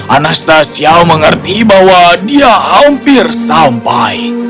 anastasia mengerti bahwa dia hampir sampai